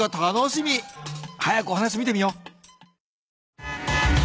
早くお話見てみよう。